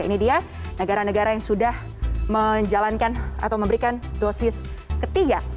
ini dia negara negara yang sudah menjalankan atau memberikan dosis ketiga